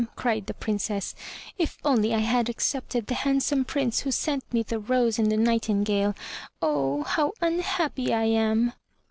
cried the Princess, "if only I had accepted the handsome Prince who sent me the rose and the nightingale. Oh, how unhappy I am!"